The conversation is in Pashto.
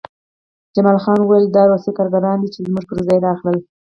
جمال خان وویل دا روسي کارګران دي چې زموږ پرځای راغلل